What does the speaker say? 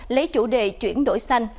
lấy chủ đề chuyển đổi xanh